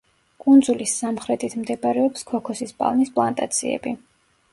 კუნძულის სამხრეთით მდებარეობს ქოქოსის პალმის პლანტაციები.